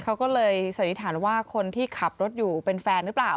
เขาก็เลยสันนิษฐานว่าคนที่ขับรถอยู่เป็นแฟนหรือเปล่า